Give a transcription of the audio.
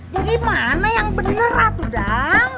jadi mana yang bener atu dang